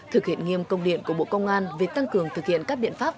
thực hiện nghiêm công điện của bộ công an về tăng cường thực hiện các biện pháp